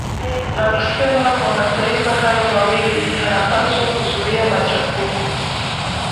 na kusema kwa mataifa hayo mawili yanapaswa kuzuia machafuko